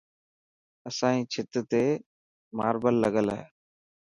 اسائي ڇت تي ماربل لگل هي.